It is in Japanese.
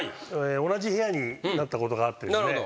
同じ部屋になったことがあってですね。